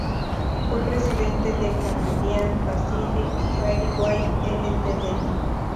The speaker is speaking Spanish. Fue presidente del Canadian Pacific Railway Ltd.